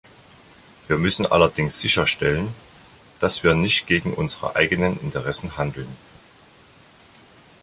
Wir müssen allerdings sicherstellen, dass wir nicht gegen unsere eigenen Interessen handeln.